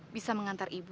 bisa mengantar ibu